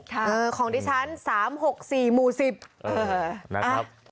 ค่ะเออของดิฉันสามหกสี่หมู่สิบเออนะครับ